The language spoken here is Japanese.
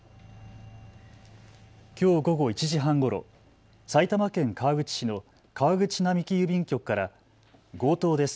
きょう午後１時半ごろ、埼玉県川口市の川口並木郵便局から強盗です。